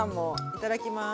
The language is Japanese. いただきます。